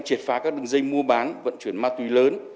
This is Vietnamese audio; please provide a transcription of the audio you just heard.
triệt phá các đường dây mua bán vận chuyển ma túy lớn